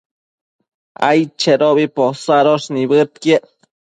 aidchedobi posadosh nibëdquiec